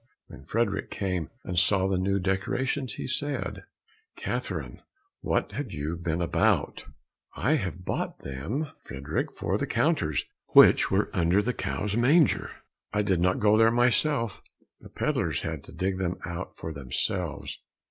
When Frederick came and saw the new decorations, he said, "Catherine, what have you been about?" "I have bought them, Frederick, for the counters which were under the cow's manger. I did not go there myself, the pedlars had to dig them out for themselves."